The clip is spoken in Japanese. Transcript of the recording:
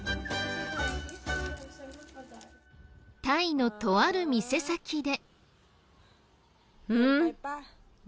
タイのとある店先で。